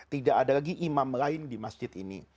tidak ada lagi imam lain di masjid ini